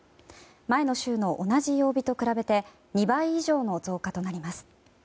前の週の同じ曜日と比べて２倍以上の増加となります。